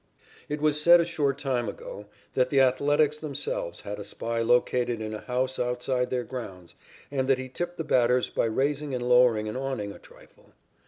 It was said a short time ago that the Athletics themselves had a spy located in a house outside their grounds and that he tipped the batters by raising and lowering an awning a trifle.